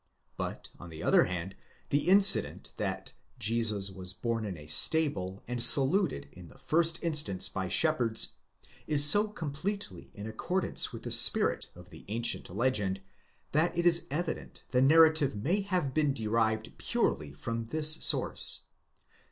But, on the other hand, the inci dent, that Jesus was born in a stable and saluted in the first instance by shepherds, is so completely in accordance with the spirit of the ancient legend, that it is evident the narrative may have been derived purely from this source.